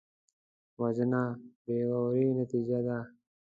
وژنه د بېغورۍ نتیجه ده